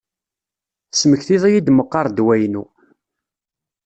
Tesmektiḍ-iyi-d meqqar ddwa-inu.